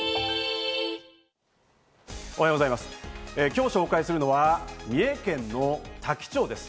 今日紹介するのは、三重県の多気町です。